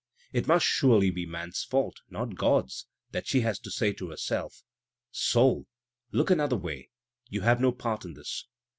It must surely be man's fault, not God's that she has to say to herself, *Soul, look another way — you have no part in this.